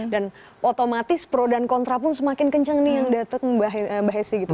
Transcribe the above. dan otomatis pro dan kontra pun semakin kencang nih yang datang mbak esti gitu